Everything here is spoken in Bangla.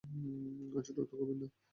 আচড়টা অত গভীর না!